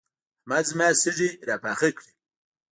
احمد زما سږي راپاخه کړل.